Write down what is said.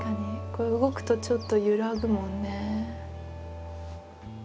これ動くとちょっと揺らぐもんね。